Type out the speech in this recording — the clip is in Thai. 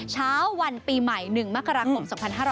เช้าวันปีใหม่๑มกราคม๒๕๕๙